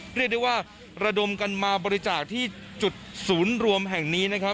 เรียกได้ว่าระดมกันมาบริจาคที่จุดศูนย์รวมแห่งนี้นะครับ